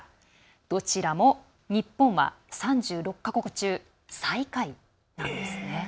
どちらも日本は３６か国中、最下位ですね。